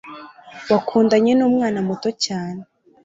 wakundanye numwana muto cyane